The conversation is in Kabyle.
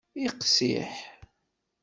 Iqsiḥ.